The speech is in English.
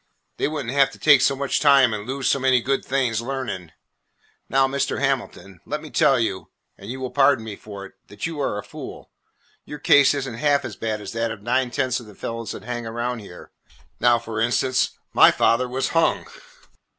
They would n't have to take so much time and lose so many good things learning. Now, Mr. Hamilton, let me tell you, and you will pardon me for it, that you are a fool. Your case is n't half as bad as that of nine tenths of the fellows that hang around here. Now, for instance, my father was hung."